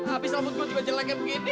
abis rambut gua juga jeleknya begini